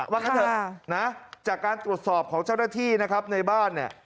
ว่างั้นเถอะนะจากการตรวจสอบของเจ้าหน้าที่นะครับในบ้านเนี่ย